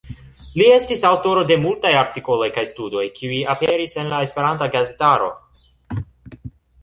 Li estis aŭtoro de multaj artikoloj kaj studoj, kiuj aperis en la Esperanta gazetaro.